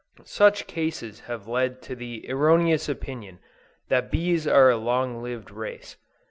Such cases have led to the erroneous opinion that bees are a long lived race.